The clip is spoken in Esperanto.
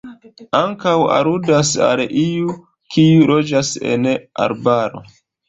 Ankaŭ aludas al iu, kiu loĝas en arbaro.